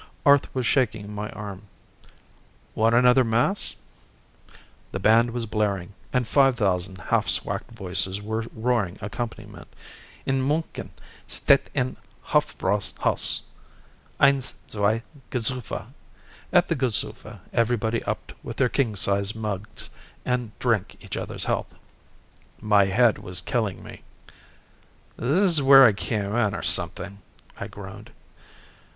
Arth was shaking my arm. "Want another mass?" The band was blaring, and five thousand half swacked voices were roaring accompaniment. In Muenchen steht ein Hofbräuhaus! Eins, Zwei, G'sufa! At the G'sufa everybody upped with their king size mugs and drank each other's health. My head was killing me. "This is where I came in, or something," I groaned.